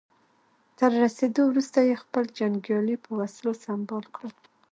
تر رسېدو وروسته يې خپل جنګيالي په وسلو سمبال کړل.